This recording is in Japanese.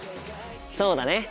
そうだね。